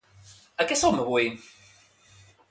A què som avui?